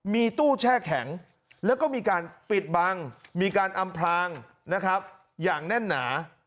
มีตู้แช่แข็งแล้วก็มีการปิดบังมีการอำพลางนะครับอย่างแน่นหนา